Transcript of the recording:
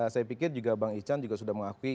saya pikir juga bang ican juga sudah mengakui